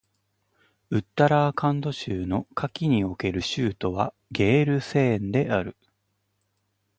ウッタラーカンド州の夏季における州都はゲールセーンである